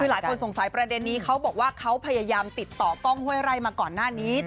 คือหลายคนสงสัยประเด็นนี้เขาบอกว่าเขาพยายามติดต่อกล้องห้วยไร่มาก่อนหน้านี้